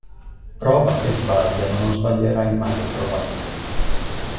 Prova e sbaglia, ma non sbaglierai mai provando.